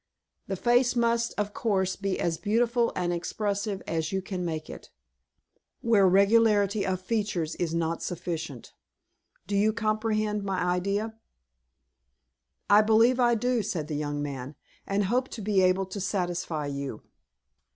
The face must, of course, be as beautiful and expressive as you can make it, where regularity of features is not sufficient. Do you comprehend my idea?" "I believe I do," said the young man, "and hope to be able to satisfy you."